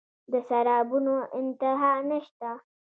د سرابونو انتها نشته